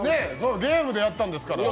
ゲームでやったんですから。